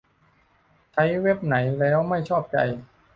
ใช้เว็บไหนแล้วไม่ชอบใจ